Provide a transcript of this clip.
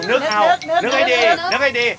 นึกให้ดี